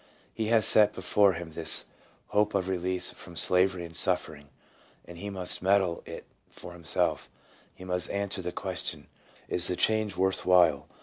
He has set before him this hope of release from slavery and suffering, and he must settle it for himself, he must answer the question, Is the change worth while?